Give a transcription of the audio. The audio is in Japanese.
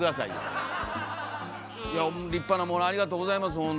いやぁ立派なものありがとうございます。